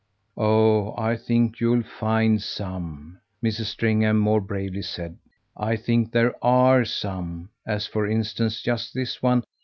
"Oh I think you'll find some," Mrs. Stringham more bravely said. "I think there ARE some as for instance just this one.